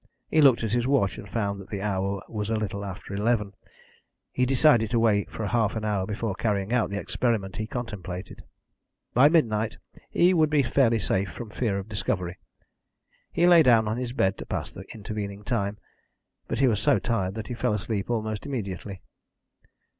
He looked at his watch, and found that the hour was a little after eleven. He decided to wait for half an hour before carrying out the experiment he contemplated. By midnight he would be fairly safe from the fear of discovery. He lay down on his bed to pass the intervening time, but he was so tired that he fell asleep almost immediately.